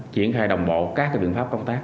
triển khai đồng bộ các biện pháp công tác